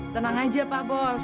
tenang aja pak bos